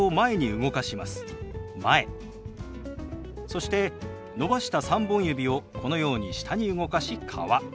そして伸ばした３本指をこのように下に動かし「川」。